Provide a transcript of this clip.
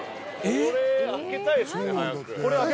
これ、開けたいですね。